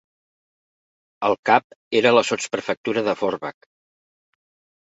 El cap era la sotsprefectura de Forbach.